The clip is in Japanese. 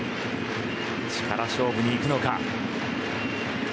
力勝負にいくのか。